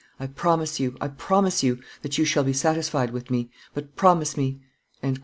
I promise you. I promise you ... that you shall be satisfied with me; but promise me ..."